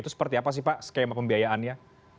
itu seperti apa sih pak skema pembiayaannya